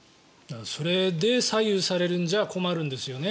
それで左右されるんじゃ困るんですよね